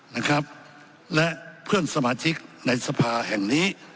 นะครับและเพื่อนสมาชิกในสภาแห่งนี้